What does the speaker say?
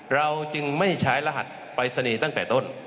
เราจึงไม่ใช้รหัสปรายศนีย์ตั้งแต่ต้น